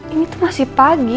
ini tuh masih pagi